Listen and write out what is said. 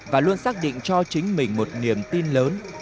và luôn xác định cho chính mình một niềm tin lớn